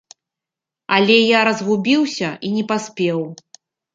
Але я разгубіўся і не паспеў.